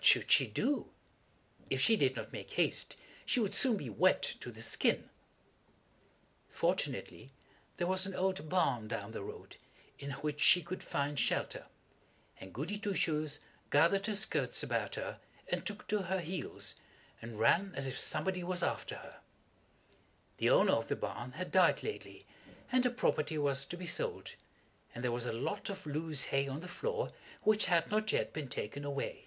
What should she do? If she did not make haste she would soon be wet to the skin. Fortunately there was an old barn down the road, in which she could find shelter, and Goody Two Shoes gathered her skirts about her and took to her heels, and ran as if somebody was after her. The owner of the barn had died lately, and the property was to be sold, and there was a lot of loose hay on the floor which had not yet been taken away.